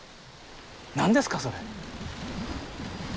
何ですかそれ。